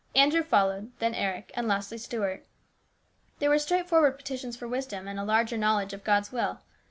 Andrew followed, then Eric, and lastly Stuart. They were straight STEWARDSHIP. 307 forward petitions for wisdom, and a larger knowledge of God's will.